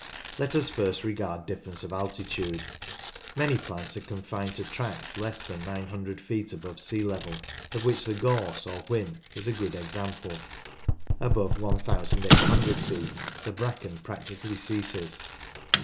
Let us first regard difference of altitude. Many plants are confined to tracts less than 900 feet above sea level, of which the gorse or whin is a good example. Above 1800 feet the bracken practically ceases.